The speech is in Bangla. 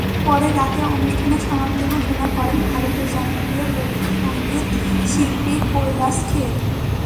পরে রাতে অনুষ্ঠানের সমাপ্তি ঘোষণা করেন ভারতের জনপ্রিয় লোকসংগীতশিল্পী কৈলাস খের।